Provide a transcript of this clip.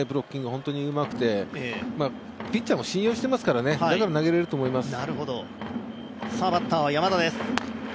本当にうまくて、ピッチャーも信用していますから、だから投げれると思います。